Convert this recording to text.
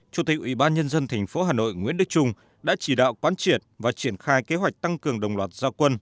chủ tịch ủy ban nhân dân tp hà nội nguyễn đức trung đã chỉ đạo quán triệt và triển khai kế hoạch tăng cường đồng loạt gia quân